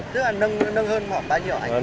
tức là nâng hơn khoảng bao nhiêu ảnh